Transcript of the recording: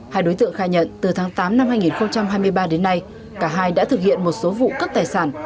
hai đối tượng khai nhận từ tháng tám năm hai nghìn hai mươi ba đến nay cả hai đã thực hiện một số vụ cướp tài sản